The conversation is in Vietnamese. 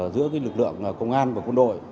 giữa cái lực lượng công an và quân đội